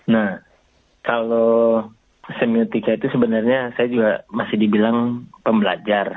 nah kalau semiotika itu sebenarnya saya juga masih dibilang pembelajar